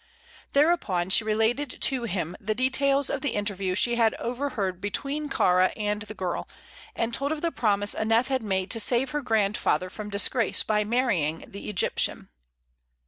Thereupon she related to him the details of the interview she had overheard between Kāra and the girl, and told of the promise Aneth had made to save her grandfather from disgrace by marrying the Egyptian.